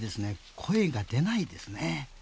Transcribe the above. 声が出ないですね。